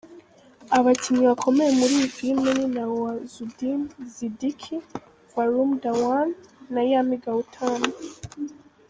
Abakinnyi bakomeye muri iyi filime ni Nawazuddin Siddiqui, Varun Dhawan na Yami Gautam.